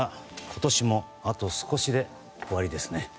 今年もあと少しで終わりですね。